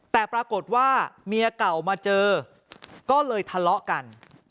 แต่ปรากฏว่าเมียเก่ามาเจอก็เลยทะเลาะกัน